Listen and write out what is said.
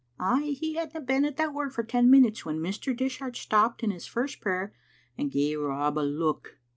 Ay, he hadna been at that work for ten minutes when Mr. Dishart stopped in his first prayer and ga'e Rob a look.